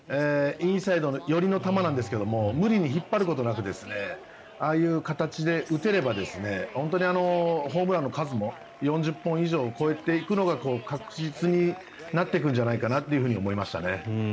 インサイド寄りの球なんですが無理に引っ張ることなくああいう形で打てれば本当にホームランの数も４０本以上を超えていくのが確実になっていくんじゃないかなと思いましたね。